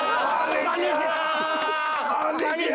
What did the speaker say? こんにちは！